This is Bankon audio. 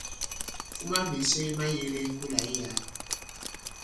Fuma ɓěs cɛ ki mayēglɛ i kolà i yàa.